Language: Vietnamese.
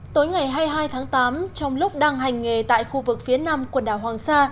tối ngày hai mươi hai tháng tám trong lúc đang hành nghề tại khu vực phía nam quần đảo hoàng sa